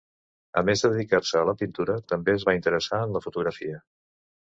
A més de dedicar-se a la pintura, també es va interessar en la fotografia.